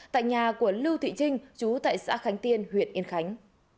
tại nhà của lưu thị trinh chú tại xã khánh tiên huyện yên khánh